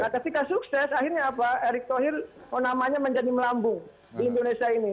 nah ketika sukses akhirnya apa erick thohir oh namanya menjadi melambung di indonesia ini